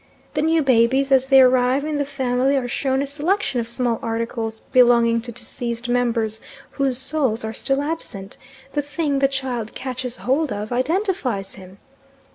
The new babies as they arrive in the family are shown a selection of small articles belonging to deceased members whose souls are still absent; the thing the child catches hold of identifies him.